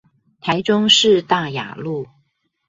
台中市大雅路